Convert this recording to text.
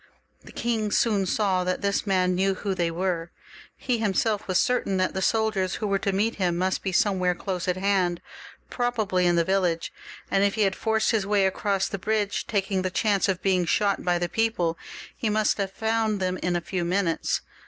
The king soon saw that this man knew who they were. He himseK was certain that the soldiers who were to meet him must be somewhere close at hand, probably in the village ; and if he had forced his way across the bridge, taking the chance of being shot by the people, he must have found them in a few minutes.